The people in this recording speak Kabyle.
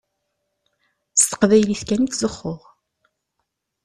S teqbaylit kan i ttzuxxuɣ.